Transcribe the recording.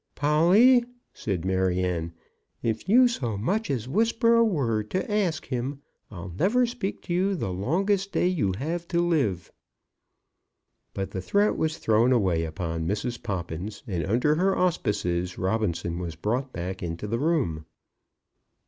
"Polly," said Maryanne, "if you so much as whisper a word to ask him, I'll never speak to you the longest day you have to live." But the threat was thrown away upon Mrs. Poppins, and, under her auspices, Robinson was brought back into the room.